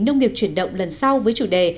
nông nghiệp chuyển động lần sau với chủ đề